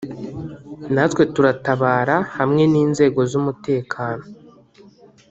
natwe turatabara hamwe n’inzego z’umutekano